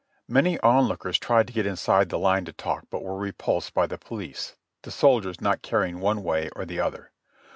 Many onlookers tried to get inside the line to talk, but were repulsed by the police, the soldiers not caring one way or the other.